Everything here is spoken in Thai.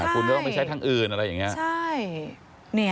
คุณก็ต้องไปใช้ทางอื่นอะไรอย่างนี้